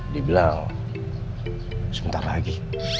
dibilang sebentar lagi